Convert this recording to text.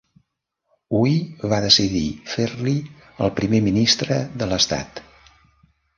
Hui va decidir fer-li el primer ministre de l'estat.